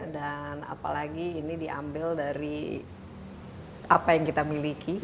dan apalagi ini diambil dari apa yang kita miliki